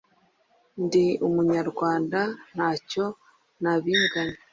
Ndi Umunyarwanda” nta cyo nabinganya.